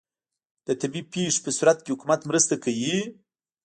د طبیعي پیښو په صورت کې حکومت مرسته کوي؟